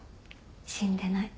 死んでない。